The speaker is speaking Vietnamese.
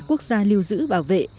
quốc gia lưu giữ bảo vệ